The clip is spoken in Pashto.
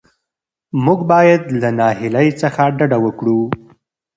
موږ باید له ناهیلۍ څخه ډډه وکړو.